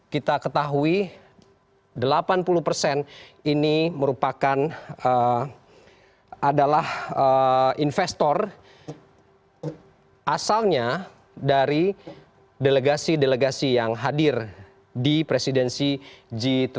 kita ketahui delapan puluh persen ini merupakan adalah investor asalnya dari delegasi delegasi yang hadir di presidensi g dua puluh